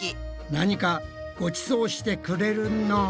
何かごちそうしてくれるのん？